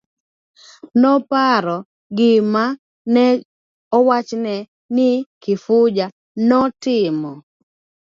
Noparo gima ne owachne ni Kifuja notimo.